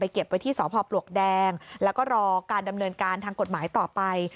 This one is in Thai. เก็บไว้ที่สพปลวกแดงแล้วก็รอการดำเนินการทางกฎหมายต่อไป